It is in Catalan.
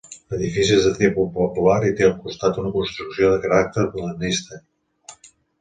L'edifici és de tipus popular i té al costat una construcció de caràcter modernista.